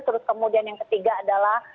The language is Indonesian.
terus kemudian yang ketiga itu yang kita lakukan